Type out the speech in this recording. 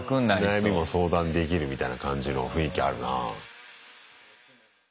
悩みも相談できるみたいな感じの雰囲気あるなぁ。